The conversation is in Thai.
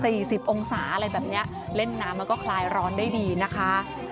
สิบองศาอะไรแบบเนี้ยเล่นน้ำมันก็คลายร้อนได้ดีนะคะ